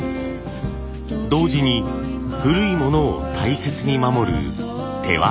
同時に古いものを大切に守る手業。